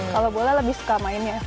kalau bola lebih suka mainnya